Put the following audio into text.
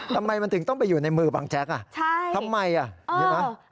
ทำไมมันถึงต้องไปอยู่ในมือบังแจ๊กอ่ะใช่ทำไมอ่ะใช่ไหม